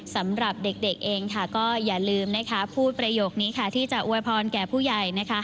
สำหรับเด็กเองก็อย่าลืมนะคะพูดประโยคนี้ค่ะที่จะอวยพรแก่ผู้ใหญ่